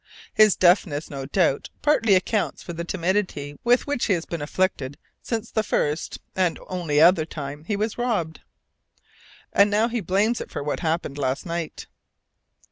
His deafness, no doubt, partly accounts for the timidity with which he has been afflicted since the first (and only other) time he was robbed. And now he blames it for what happened last night.